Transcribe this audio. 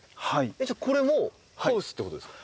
じゃあこれもハウスってことですか？